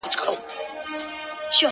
o من خورم، سېر گټم، اوسم، که درځم.